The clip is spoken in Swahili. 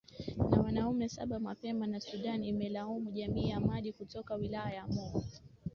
na wanaume saba mapema na sudan imelaumu jamii ya madi kutoka wilaya ya mo